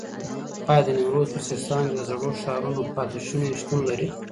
ایا د نیمروز په سیستان کې د زړو ښارونو پاتې شونې شتون لري؟